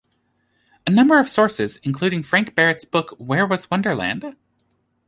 A number of sources, including Frank Barrett's book Where Was Wonderland?